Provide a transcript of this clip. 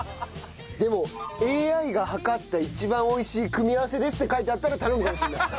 でも「ＡＩが測った一番美味しい組み合わせです」って書いてあったら頼むかもしれない。